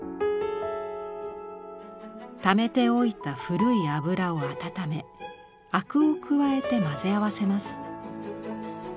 溜めておいた古い油を温め灰汁を加えて混ぜ合わせます。